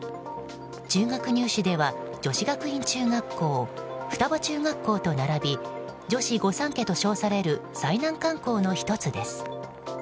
中学入試では女子学院中学校雙葉中学校と並び女子御三家と称される最難関校の１つです。